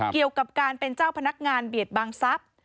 เกี่ยวกับการเป็นเจ้าพนักงานเบียดบังทรัพย์